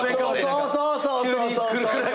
そうそうそう。